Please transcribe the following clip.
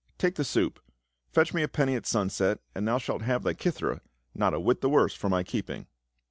Take the soup ; fetch me a penny at sunset, and thou shalt have thy kithera, not a whit the worse for my keeping."